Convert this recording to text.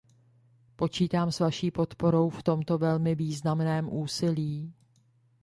Počítám s vaší podporou v tomto velmi významném úsilí.